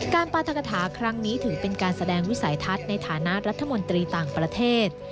ปราธกฐาครั้งนี้ถือเป็นการแสดงวิสัยทัศน์ในฐานะรัฐมนตรีต่างประเทศ